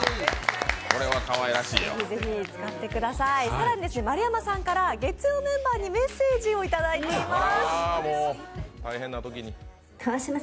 更に丸山さんから月曜メンバーにメッセージをいただいています。